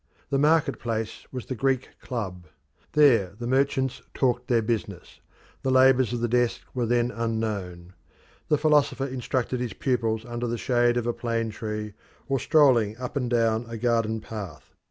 The market place was the Greek club. There the merchants talked their business the labours of the desk were then unknown. The philosopher instructed his pupils under the shade of a plane tree, or strolling up and down a garden path.